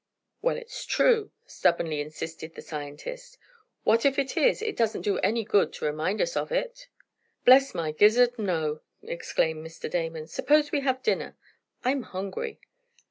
"Well, it's true," stubbornly insisted the scientist. "What if it is? It doesn't do any good to remind us of it." "Bless my gizzard, no!" exclaimed Mr. Damon. "Suppose we have dinner. I'm hungry."